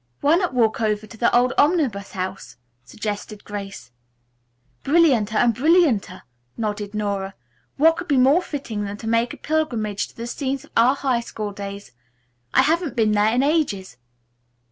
"Why not walk over to the old Omnibus House," suggested Grace. "Brillianter and brillianter," nodded Nora. "What could be more fitting than to make a pilgrimage to the scenes of our high school days? I haven't been there in ages."